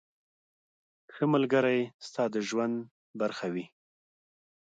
• ښه ملګری ستا د ژوند برخه وي.